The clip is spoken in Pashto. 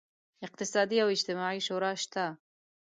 اقتصادي او اجتماعي شورا شته.